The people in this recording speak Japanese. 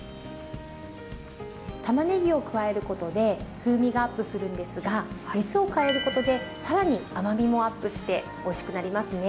たまねぎを加えることで風味がアップするんですが熱を加えることで更に甘みもアップしておいしくなりますね。